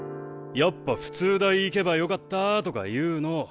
やっぱ普通大行けばよかったとか言うの。